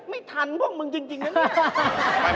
ไม่ทันพวกมึงจริงนะเนี่ย